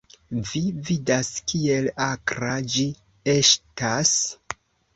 Vi vidas, kiel akra ĝi eŝtas?